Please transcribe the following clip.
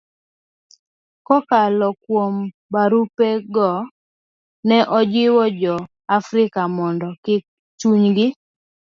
Kokalo kuom barupego, ne ojiwo Jo-Afrika mondo kik chunygi